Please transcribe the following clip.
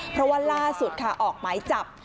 เพราะว่าล่าสุดค่ะออกหมายจับ